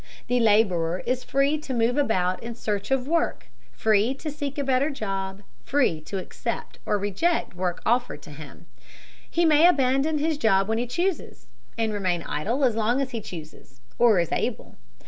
The laborer is free to move about in search of work, free to seek a better job, free to accept or to reject work offered him. He may abandon his job when he chooses, and remain idle as long as he chooses, or is able.